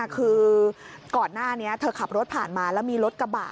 คือก่อนหน้านี้เธอขับรถผ่านมาแล้วมีรถกระบะ